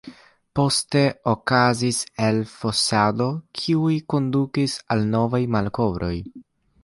Poste okazis elfosadoj, kiuj kondukis al novaj malkovroj.